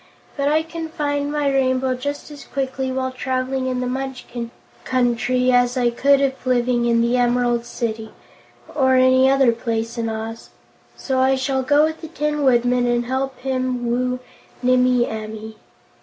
But I can find my Rainbow just as quickly while traveling in the Munchkin Country as I could if living in the Emerald City or any other place in Oz so I shall go with the Tin Woodman and help him woo Nimmie Amee."